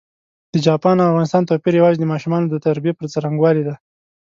د چاپان او افغانستان توپېر یوازي د ماشومانو د تربیې پر ځرنګوالي دی.